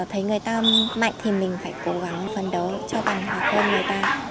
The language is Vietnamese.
mình thấy người ta mạnh thì mình phải cố gắng phân đấu cho bằng hợp hơn người ta